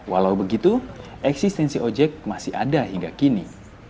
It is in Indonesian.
walau begitu eksistensi ojek masih ada hingga kini